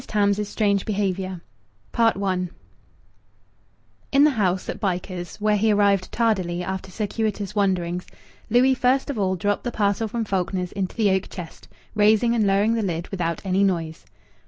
TAMS'S STRANGE BEHAVIOUR I In the house at Bycars, where he arrived tardily after circuitous wanderings, Louis first of all dropped the parcel from Faulkner's into the oak chest, raising and lowering the lid without any noise.